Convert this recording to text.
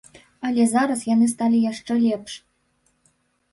Але зараз яны сталі яшчэ лепш.